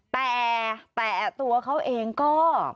แต่ตัวเขาเองก็